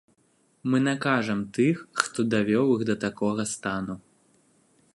Мы накажам тых, хто давёў іх да такога стану.